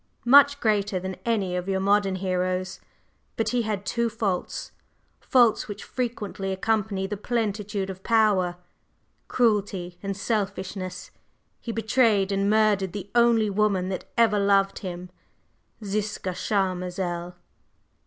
"Much greater than any of your modern heroes. But he had two faults; faults which frequently accompany the plentitude of power, cruelty and selfishness. He betrayed and murdered the only woman that ever loved him, Ziska Charmazel."